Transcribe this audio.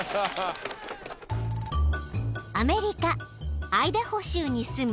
［アメリカアイダホ州に住む］